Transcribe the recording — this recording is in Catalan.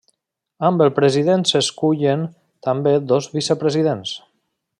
Amb el president s'escullen també dos vicepresidents.